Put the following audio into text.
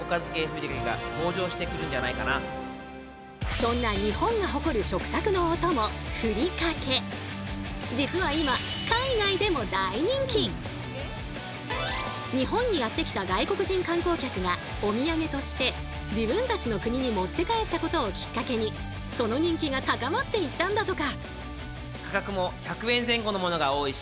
そんな実は今日本にやって来た外国人観光客がおみやげとして自分たちの国に持って帰ったことをきっかけにその人気が高まっていったんだとか。